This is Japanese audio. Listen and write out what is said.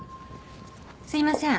すいません。